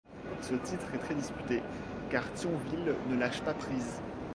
Ce titre est très disputé, car Thionville ne lâche pas prise.